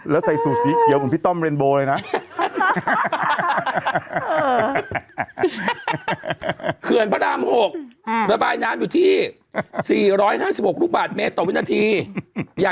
แล้วใส่ซูซิเดี๋ยวผมพิต้อมเรนโบเลยนะ